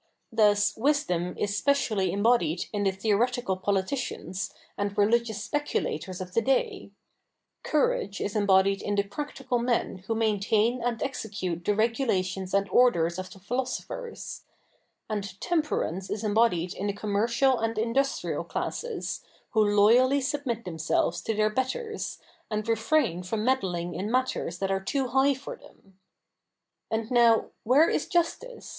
Thus, wisdom is specially embodied in the theoretical politicians and religious speculators of the day ; courage is embodied in the practical men who maintain and execute the regula tions and orders of the philosophers ; and temperance is embodied in the commercial and industrial classes, who loyally submit themselves to their betters, and refrain from meddling in matters that are too high for them. And now, where is justice?